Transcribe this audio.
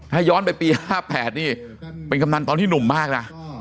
ถ้าย้อนไปปี๕๘นี่เป็นกำนันตอนที่หนุ่มมากนะ